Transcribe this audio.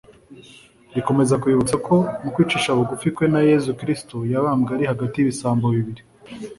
rikomeze kubibutsa ko mu kwicisha bugufi kwe na Yezu Kristu yabambwe ari hagati y’ibisambo bibiri”